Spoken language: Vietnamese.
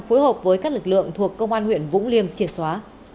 phối hợp với các lực lượng thuộc công an huyện vũng liêm triệt xóa